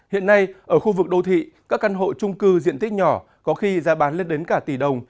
hiện nay ở khu vực đô thị các căn hộ trung cư diện tích nhỏ có khi giá bán lên đến cả tỷ đồng